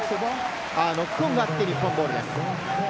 ノックオンがあって日本ボールです。